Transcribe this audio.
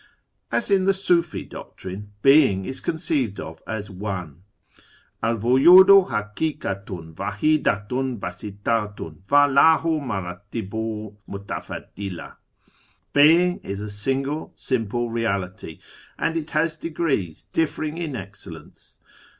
As in the Sufi doctrine. Being is conceived of as one :" Al vujudu hakikat^'^ vdhiclat^ ^ hasitat^^ va lahu mardtih'" ''"' mutafddhila ":—" Being is a single simple Peality, and it has degrees differing in excellence."